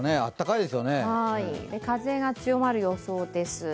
風が強まる予想です。